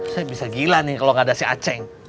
saya bisa gila nih kalau nggak ada si aceh